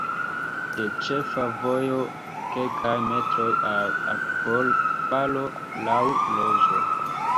De ĉefa vojo kelkaj metroj al akvofalo laŭ rojo.